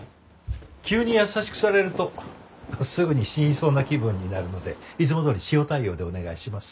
急に優しくされるとすぐに死にそうな気分になるのでいつもどおり塩対応でお願いします。